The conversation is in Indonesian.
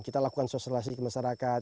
kita lakukan sosialisasi ke masyarakat